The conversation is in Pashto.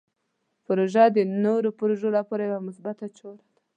پروژه د نوو پروژو لپاره یوه مثبته چاره ده.